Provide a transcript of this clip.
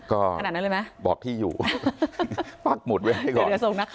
ก็บอกที่อยู่ปักหมุดไว้ให้ก่อน